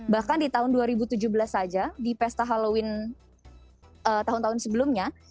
bahkan di tahun dua ribu tujuh belas saja di pesta halloween tahun tahun sebelumnya